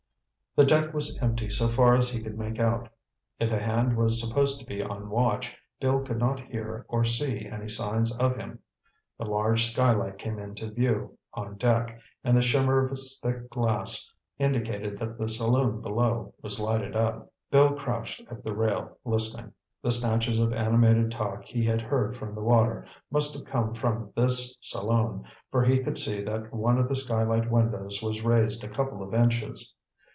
The deck was empty so far as he could make out. If a hand was supposed to be on watch, Bill could not hear or see any signs of him. The large skylight came into view on deck, and the shimmer of its thick glass indicated that the saloon below was lighted up. Bill crouched at the rail, listening. The snatches of animated talk he had heard from the water must have come from this saloon, for he could see that one of the skylight windows was raised a couple of inches.